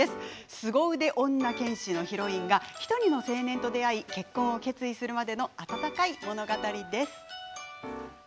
すご腕女剣士のヒロインが１人の青年と出会い結婚を決意するまでの温かい物語です。